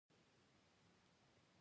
ګلدره ولې زرغونه ده؟